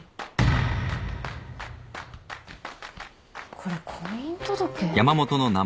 これ婚姻届？